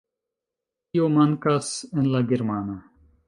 Tio mankas en la germana.